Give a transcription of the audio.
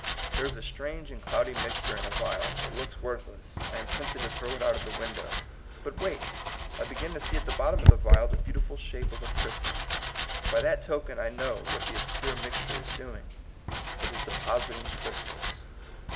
There is a strange and cloudy mixture in a vial ; it looks worthless ; I am tempted to throw it out of the window. But wait : I begin to see at the bottom of the vial the beautiful shape of a crystal. By that token I know what the obscure mixture is doing ; it is depositing crystals.